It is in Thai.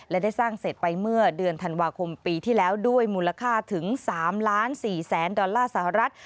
และได้สร้างเสร็จไปเมื่อเดือนธันวาคมปีที่แล้วด้วยมูลค่าถึง๓ล้าน๔แสนดอลลาร์สหรัฐ